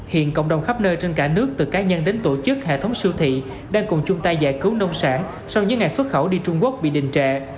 hiện cộng đồng khắp nơi trên cả nước từ cá nhân đến tổ chức hệ thống siêu thị đang cùng chung tay giải cứu nông sản sau những ngày xuất khẩu đi trung quốc bị đình trệ